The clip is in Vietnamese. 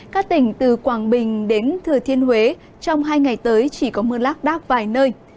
các tỉnh từ quảng bình đến thừa thiên huế trong hai ngày tới chỉ có mưa lác đác vài nơi